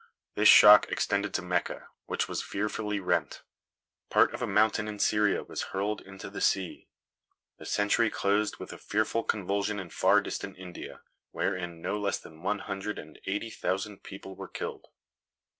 This shock extended to Mecca, which was fearfully rent. Part of a mountain in Syria was hurled into the sea. The century closed with a fearful convulsion in far distant India, wherein no less than one hundred and eighty thousand people were killed.